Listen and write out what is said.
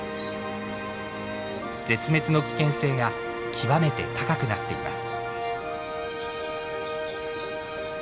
絶滅の危険性が極めて高くなっています。